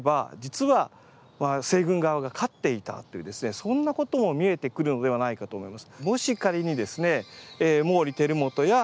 そんなことも見えてくるのではないかと思います。